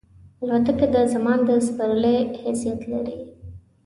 الوتکه د زمان د سپرلۍ حیثیت لري.